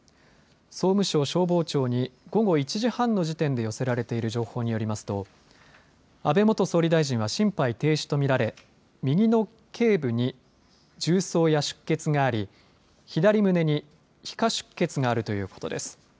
総務省消防庁に午後１時半の時点で寄せられている情報によりますと安倍元総理大臣は心肺停止と見られ右のけい部に銃創や出血があり左胸に皮下出血があるということです。